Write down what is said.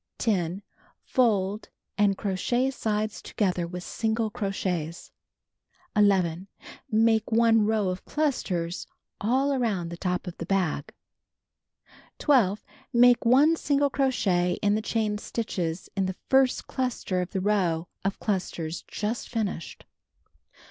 10. Fold, and crochet sides together with single crochets. 11. Make 1 row of clusters all aroimd the top of the bag. The Magic Paper 249 12. Make 1 single crochet in the chain stitches in the first cluster of the row of clusters just finished.